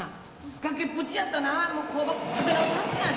崖っぷちやったな工場立て直しはったんやで！